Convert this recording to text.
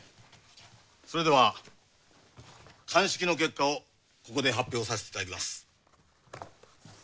それでは鑑識の結果をここで発表させていただきます。